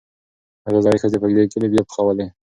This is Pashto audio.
هغې زړې ښځې په دېګ کې لوبیا پخولې.